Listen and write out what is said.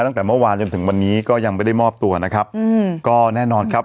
ตั้งแต่เมื่อวานจนถึงวันนี้ก็ยังไม่ได้มอบตัวนะครับอืมก็แน่นอนครับ